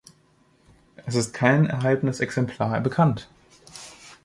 Es ist kein erhaltenes Exemplar bekannt.